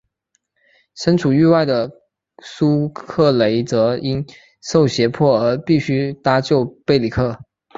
身处狱外的苏克雷则因受胁迫而必须搭救贝里克。